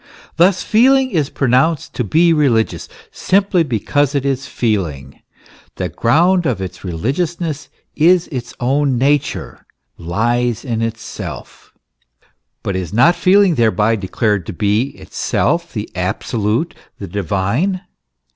Thus, feeling is pronounced to be religious, simply because it is feeling ; the ground of its religiousness is its own nature lies in itself. But is not feeling thereby declared to be itself the absolute, the divine